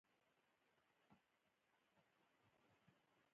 دا داسې نه ده چې څو تخنیکران دې پیدا شي.